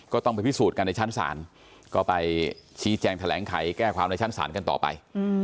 ก็ต้องไปพิสูจน์กันในชั้นศาลก็ไปชี้แจงแถลงไขแก้ความในชั้นศาลกันต่อไป